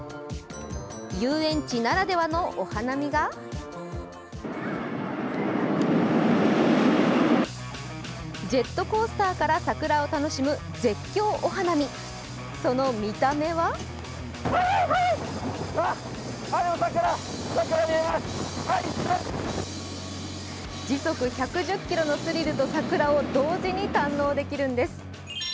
遊園地ならではのお花見がジェットコースターから桜を楽しむ絶叫お花見、その見た目は時速１１０キロのスリルと桜を同時に堪能できるんです。